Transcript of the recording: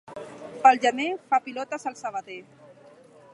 Pel gener, fa pilotes el sabater.